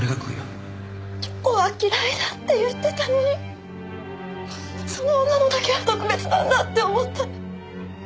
チョコは嫌いだって言ってたのにその女のだけは特別なんだって思った。